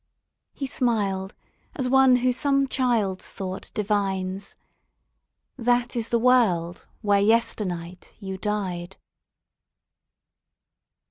He smiled as one who some child's thought divines: "That is the world where yesternight you died."